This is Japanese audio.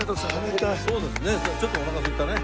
ちょっとおなかすいたね。